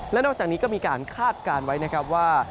และนอกจากนี้ก็มีการคาดการณ์ไว้นะครับว่า